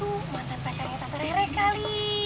tuh mantan pasangnya tante rere kali